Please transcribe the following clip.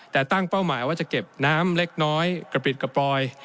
แต่ตั้งเป้าหมายว่าจะเก็บน้ำเล็กน้อยกระปิดกระปอย